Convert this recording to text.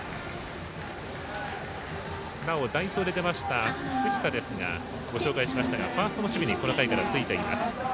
なお代走で出ました藤田ですがご紹介しましたがファーストの守備にこの回からついています。